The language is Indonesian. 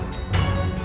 aku terpaksa mengolongmu